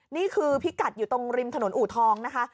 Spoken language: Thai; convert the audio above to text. นี่คือพิกัดอยู่ตรงริมถนนอูทองนะคะ